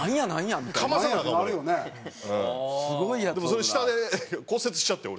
でも下で骨折しちゃって俺。